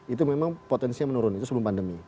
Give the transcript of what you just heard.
itu memang potensinya menurun itu sebelum pandemi